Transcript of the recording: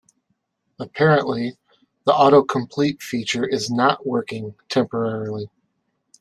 Apparently, the autocomplete feature is not working temporarily.